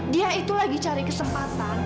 dia itu lagi cari kesempatan